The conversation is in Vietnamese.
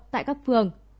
tại các phường